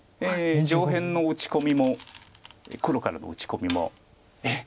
上辺の打ち込みも黒からの打ち込みも怖いので。